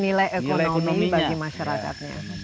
nilai ekonomi bagi masyarakat